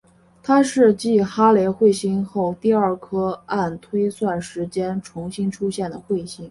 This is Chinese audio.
它是继哈雷彗星后第二颗按推算时间重新出现的彗星。